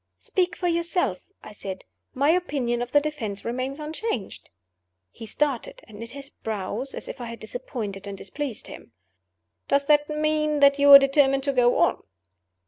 "Speak for yourself," I said. "My opinion of the Defense remains unchanged." He started, and knit his brows as if I had disappointed and displeased him. "Does that mean that you are determined to go on?"